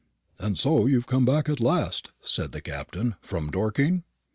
"And so you've come back at last," said the Captain, "from Dorking?"